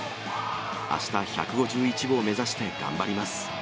あした１５１号目指して頑張ります。